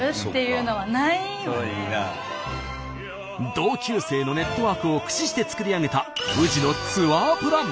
同級生のネットワークを駆使して作り上げた宇治のツアープラン